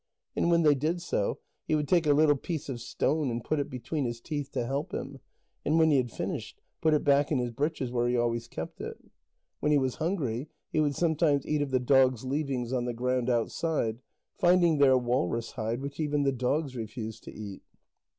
And when they did so, he would take a little piece of stone and put it between his teeth, to help him, and when he had finished, put it back in his breeches, where he always kept it. When he was hungry, he would sometimes eat of the dogs' leavings on the ground outside, finding there walrus hide which even the dogs refused to eat.